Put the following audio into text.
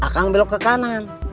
kang belok ke kanan